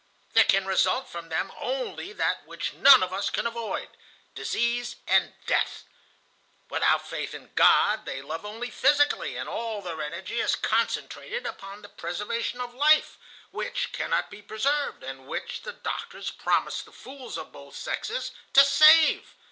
There can result from them only that which none of us can avoid,—disease and death. Without faith in God, they love only physically, and all their energy is concentrated upon the preservation of life, which cannot be preserved, and which the doctors promise the fools of both sexes to save.